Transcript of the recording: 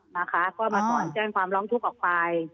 นะคะก็มาถอนแจ้งความร้องทุกข์ออกไป